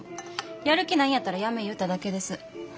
やる気ないんやったらやめえ言うただけです。